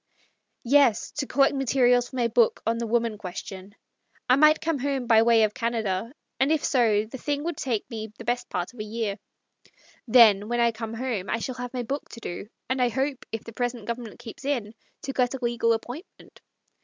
" Yes, to collect materials for my book on the Woman Question. I might come home by the way of Canada, and if so, the thing would take me the best part of a year. Then, when I come home, I shall have my book to do ; and I hope, if the present Gov ernment keeps in, to get a legal appointment.